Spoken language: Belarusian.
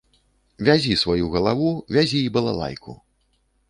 Вязі сваю галаву, вязі і балалайку.